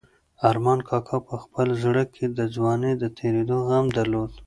ارمان کاکا په خپل زړه کې د ځوانۍ د تېرېدو غم درلود.